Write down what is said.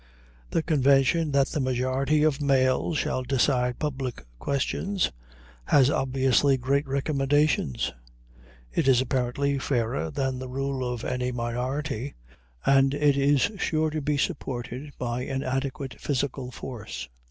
The convention that the majority of males shall decide public questions has obviously great recommendations. It is apparently fairer than the rule of any minority, and it is sure to be supported by an adequate physical force.